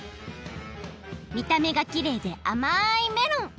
みためがきれいであまいメロン！